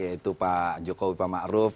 yaitu pak jokowi pak ma'ruf